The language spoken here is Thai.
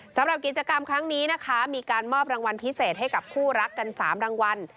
สำหรับกิจกรรมครั้งนี้นะคะมีการมอบรางวัลพิเศษให้กับคู่รักกัน๓รางวัล